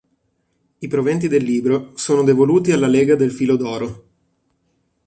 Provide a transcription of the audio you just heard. I proventi del libro sono devoluti alla Lega del Filo d'Oro.